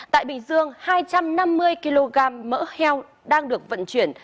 tại bình dương hai trăm năm mươi kg mỡ heo đang được vận chuyển